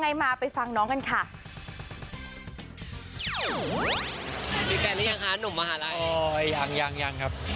ยังครับ